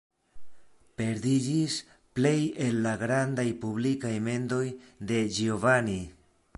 Perdiĝis plej el la grandaj publikaj mendoj de Giovanni.